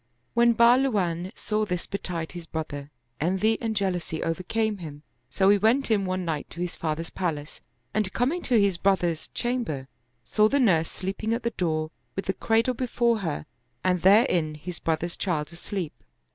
When Bahluwan saw this be tide his brother, envy and jealousy overcame him; so he went in one night to his father's palace and coming to his brother's chamber, saw the nurse sleeping at the door, with the cradle before her and therein his brother's child asleep.